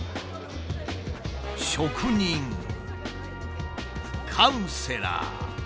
「職人」「カウンセラー」。